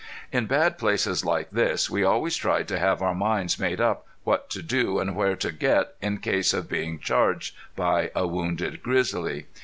In bad places like this we always tried to have our minds made up what to do and where to get in case of being charged by a wounded grizzly.